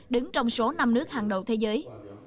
đứng trong số năm nước hàng đầu thế giới